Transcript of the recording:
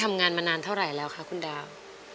ทำงานมานานเท่าไหร่แล้วคะคุณดาว